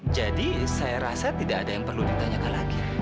jadi saya rasa tidak ada yang perlu ditanyakan lagi